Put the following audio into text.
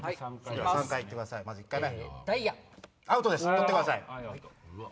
取ってください。